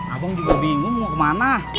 abang juga bingung mau kemana